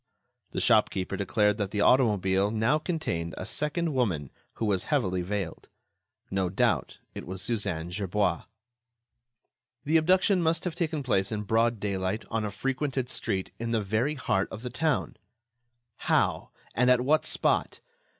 The shopkeeper declared that the automobile now contained a second woman who was heavily veiled. No doubt, it was Suzanne Gerbois. The abduction must have taken place in broad daylight, on a frequented street, in the very heart of the town. How? And at what spot?